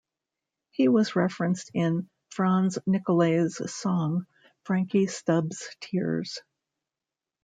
He was referenced in Franz Nicolay's song 'Frankie Stubbs Tears'.